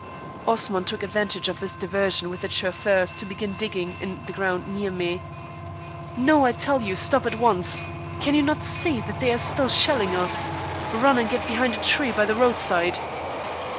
Osman took advantage of this diversion with the chauffeurs to begin digging in the ground near me. "No, I tell you, stop at once. Can you not see that they are still shelling us? Run and get behind a tree by the roadside."